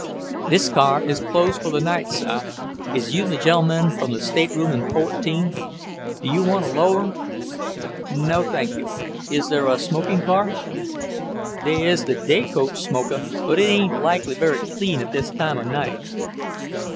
"This car is closed for the night, sah. Is you the gen'leman from the stateroom in fourteen? Do you want a lower?" "No, thank you. Is there a smoking car?" "They is the day coach smokah, but it ain't likely very clean at this time o' night."